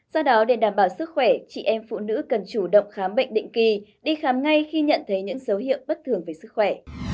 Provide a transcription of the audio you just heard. do đó để đảm bảo sức khỏe chị em phụ nữ cần chủ động khám bệnh định kỳ đi khám ngay khi nhận thấy những dấu hiệu bất thường về sức khỏe